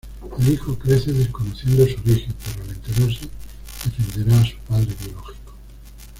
El hijo crece desconociendo su origen pero al enterarse defenderá a su padre biológico.